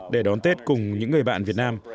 để đón tết cùng những người bạn việt nam